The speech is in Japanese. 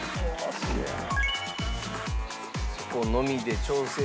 すげえな。